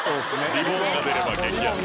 リボンが出れば激アツ